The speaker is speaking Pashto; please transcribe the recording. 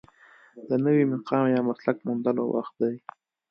د نوي مقام یا مسلک موندلو وخت دی.